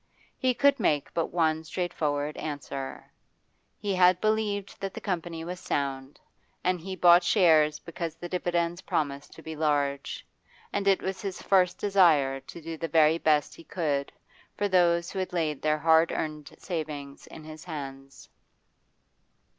He could make but one straightforward answer: he had believed that the Company was sound, and he bought shares because the dividends promised to be large, and it was his first desire to do the very best he could for those who had laid their hard earned savings in his hands.